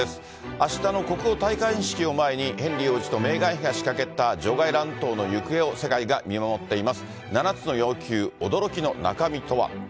あしたの国王戴冠式を前に、ヘンリー王子とメーガン妃が仕掛けた場外乱闘の行方を世界が見守こんにちは。